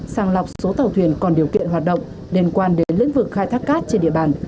sàng lọc số tàu thuyền còn điều kiện hoạt động liên quan đến lĩnh vực khai thác cát trên địa bàn